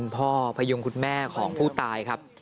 พ่อพยงคุณแม่ของผู้ตายครับ